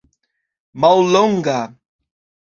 mallonga